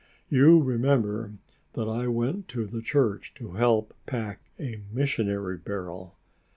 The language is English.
You remember that I went to the church to help pack a missionary barrel?"